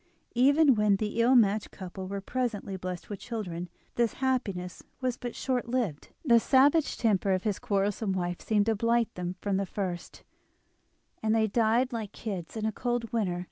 Even when the ill matched couple were presently blessed with children, his happiness was but short lived, the savage temper of his quarrelsome wife seemed to blight them from the first, and they died like little kids in a cold winter.